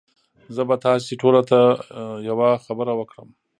زه به تاسي ټوله ته یوه خبره وکړم